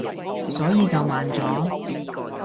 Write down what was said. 所以就慢咗